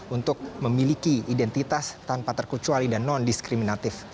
untuk memiliki identitas tanpa terkecuali dan non diskriminatif